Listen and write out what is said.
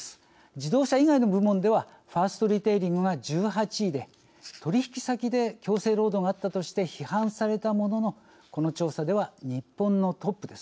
自動車以外の部門ではファーストリテイリングが１８位で取引先で強制労働があったとして批判されたもののこの調査では日本のトップです。